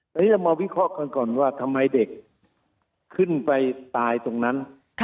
ตอนนี้เรามาวิเคราะห์กันก่อนว่าทำไมเด็กขึ้นไปตายตรงนั้น